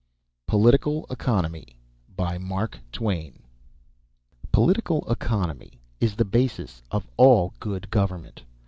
POLITICAL ECONOMY Political Economy is the basis of all good government.